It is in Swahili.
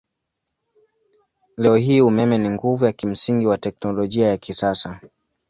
Leo hii umeme ni nguvu ya kimsingi wa teknolojia ya kisasa.